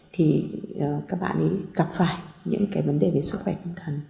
thì các bạn gặp phải những vấn đề về sức khỏe tinh thần